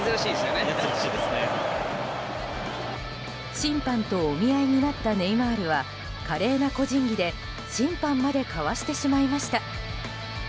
審判とお見合いになったネイマールは華麗な個人技で審判までかわしてしまいました。